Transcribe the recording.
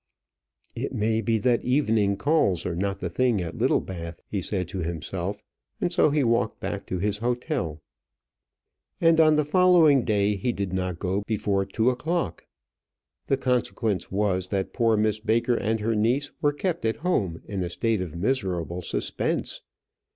"It may be that evening calls are not the thing at Littlebath," he said to himself; and so he walked back to his hotel. And on the following day he did not go before two o'clock. The consequence was, that poor Miss Baker and her niece were kept at home in a state of miserable suspense.